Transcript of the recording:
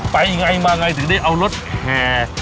ไปไงมาไงถึงได้เอารถแห่